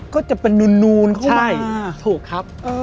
ก็จะเป็นนูนเข้าไปถูกครับ